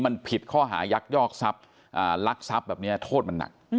มันผิดข้อหายักยอกทรัพย์ลักทรัพย์แบบนี้โทษมันหนัก